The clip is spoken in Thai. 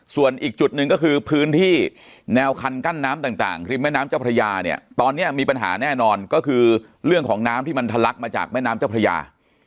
ส่วนอีกจุดหนึ่งก็คือพื้นที่แนวคันกั้นน้ำต่างริมแม่น้ำเจ้าพระยาเนี่ยตอนนี้มีปัญหาแน่นอนก็คือเรื่องของน้ำที่มันทะลักมาจากแม่น้ำเจ้าพระยา